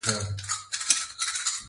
که چېرې صادرات له وارداتو څخه زیات شي